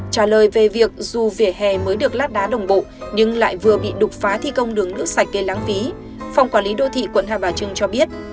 trả lời về việc dù vỉa hè mới được lát đá đồng bộ nhưng lại vừa bị đục phá thi công đường nước sạch gây lãng phí phòng quản lý đô thị quận hai bà trưng cho biết